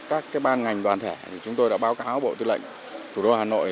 các ban ngành đoàn thể thì chúng tôi đã báo cáo bộ tư lệnh thủ đô hà nội